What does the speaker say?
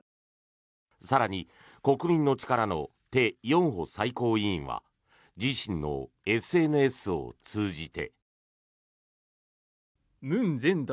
更に、国民の力のテ・ヨンホ最高委員は自身のＳＮＳを通じて。